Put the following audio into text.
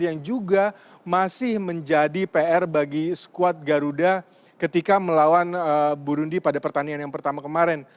yang juga masih menjadi pr bagi squad garuda ketika melawan burundi pada pertandingan yang pertama kemarin